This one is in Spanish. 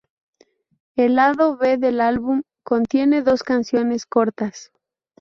El lado B del álbum contiene dos canciones cortas.